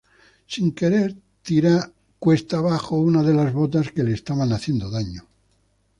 Sin querer tira cuesta abajo una de las botas que le estaban haciendo daño.